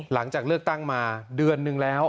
หลังจากเลือกตั้งมาเดือนนึงแล้ว